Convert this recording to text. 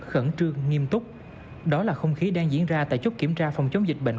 khẩn trương nghiêm túc đó là không khí đang diễn ra tại chốt kiểm tra phòng chống dịch bệnh